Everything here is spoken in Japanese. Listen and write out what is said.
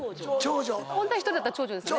女１人だったら長女ですよね。